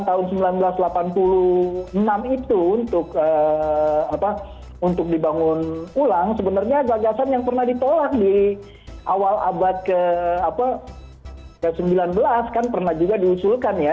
tahun seribu sembilan ratus delapan puluh enam itu untuk dibangun ulang sebenarnya gagasan yang pernah ditolak di awal abad ke sembilan belas kan pernah juga diusulkan ya